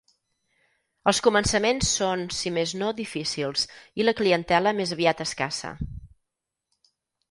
Els començaments són, si més no difícils i la clientela més aviat escassa.